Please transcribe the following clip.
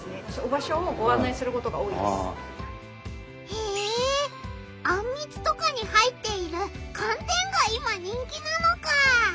へえあんみつとかに入っている寒天が今人気なのかあ！